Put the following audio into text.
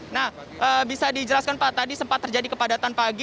nah bisa dijelaskan pak tadi sempat terjadi kepadatan pagi